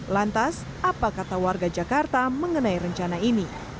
lantas apa kata warga jakarta mengenai rencana ini